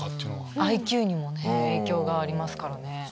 ＩＱにも影響がありますからね。